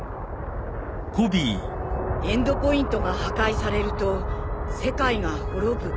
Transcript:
エンドポイントが破壊されると世界が滅ぶ。